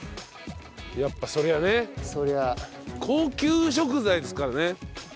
やっぱそりゃあね高級食材ですからね。